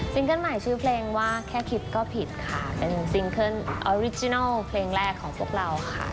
เกิ้ลใหม่ชื่อเพลงว่าแค่คลิปก็ผิดค่ะเป็นซิงเกิ้ลออริจินัลเพลงแรกของพวกเราค่ะ